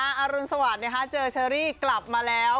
อรุณสวัสดิ์เจอเชอรี่กลับมาแล้ว